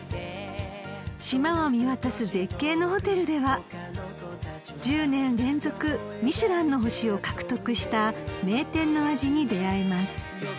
［島を見渡す絶景のホテルでは１０年連続ミシュランの星を獲得した名店の味に出合えます］